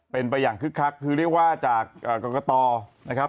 เป็นไปอย่างคึกคักคือเรียกว่าจากกรกตนะครับ